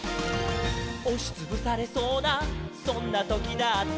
「おしつぶされそうなそんなときだって」